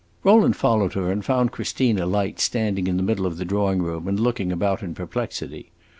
Rowland followed her, and found Christina Light standing in the middle of the drawing room, and looking about in perplexity.